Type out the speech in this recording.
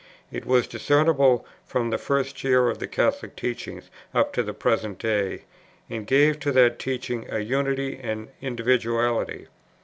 It was discernible from the first years of the Catholic teaching up to the present day, and gave to that teaching a unity and individuality.